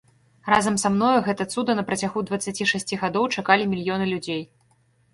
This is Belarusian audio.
Разам са мною гэта цуда напрацягу дваццаці шасці гадоў чакалі мільёны людзей!